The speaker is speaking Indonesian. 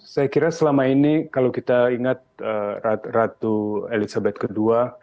saya kira selama ini kalau kita ingat ratu elizabeth ii